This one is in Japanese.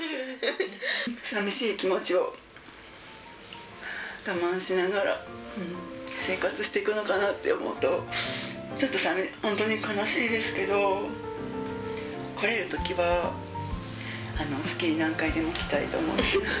さみしい気持ちを我慢しながら生活していくのかなって思うと、ちょっと本当に悲しいですけど、来れるときは月に何回でも来たいと思いますね。